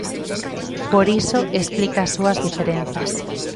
Por iso explica as súas diferenzas.